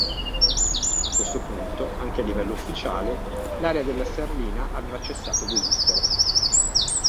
A questo punto anche a livello ufficiale l'area della sterlina aveva cessato di esistere.